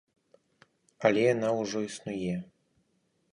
Але яна ўжо існуе.